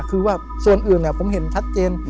คือว่าส่วนอื่นผมเห็นชัดเจน